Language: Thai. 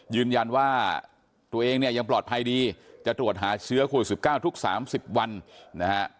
ยืนยันว่าตัวเองเนี่ยยังปลอดภัยดีจะตรวจหาเชื้อโควิด๑๙ทุก๓๐วันนะฮะ